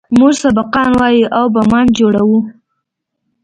موږ سبقان وايو او بمان جوړوو.